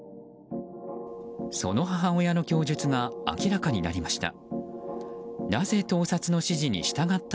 その母親の供述が明らかになりました。